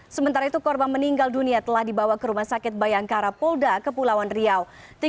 sementara itu korban meninggal dunia telah dibawa ke rumah sakit bayangkara polda kepulauan riau